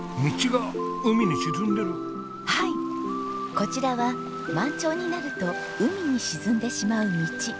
こちらは満潮になると海に沈んでしまう道。